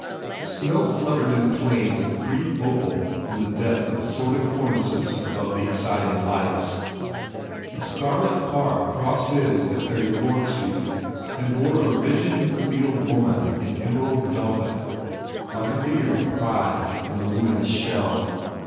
Snow fluttered in planes of brief opal from the depth of assorted cornices above the exciting lights. A scarlet car crossed his at Thirty Fourth Street and bore a rigid, revealed woman in emerald velvet, like a figure of pride in a luminous shell.